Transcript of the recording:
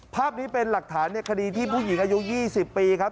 ภาพนี้เป็นหลักฐานในคดีที่ผู้หญิงอายุ๒๐ปีครับ